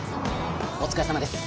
お疲れさまです。